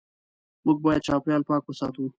موږ باید چاپېریال پاک وساتو.